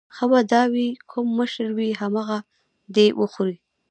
ښه به دا وي کوم مشر وي همغه دې وخوري.